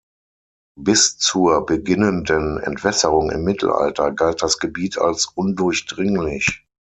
Bis zur beginnenden Entwässerung im Mittelalter galt das Gebiet als undurchdringlich.